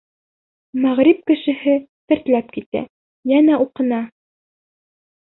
Мәғриб кешеһе тертләп китә, йәнә уҡына.